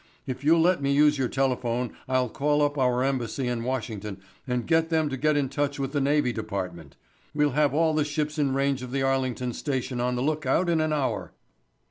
If you'll let me use your telephone I'll call up our embassy in Washington and get them to get in touch with the Navy Department. We'll have all the ships in range of the Arlington station on the lookout in an hour."